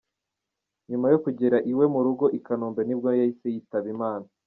Nyuma yo kugera iwe mu rugo i Kanombe nibwo yahise yitaba Imana.